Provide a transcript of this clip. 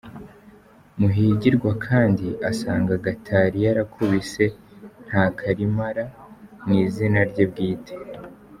Muhigirwa kandi, asanga Gatari yarakubise Ntakarimara mu izina rye bwite.